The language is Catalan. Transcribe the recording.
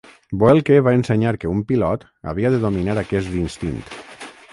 Boelcke va ensenyar que un pilot havia de dominar aquest instint.